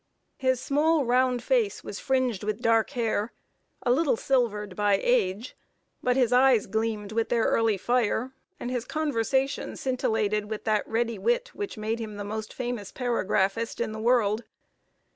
His small, round face was fringed with dark hair, a little silvered by age; but his eyes gleamed with their early fire, and his conversation scintillated with that ready wit which made him the most famous paragraphist in the world.